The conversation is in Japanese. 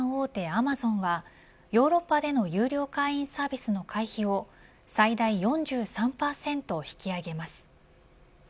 アマゾンはヨーロッパでの有料会員サービスの会費を最大４３％引き上げます。